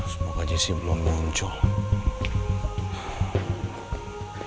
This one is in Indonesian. semoga jessy belum muncul